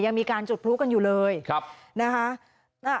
ยังมีการจุดพลุกันอยู่เลยนะคะ